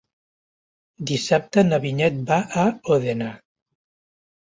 Dissabte na Vinyet va a Òdena.